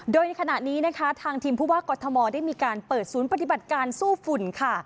โดยในขณะนี้นะคะทางทีมผู้ว่ากอทมได้มีการเปิดศูนย์ปฏิบัติการสู้ฝุ่นค่ะ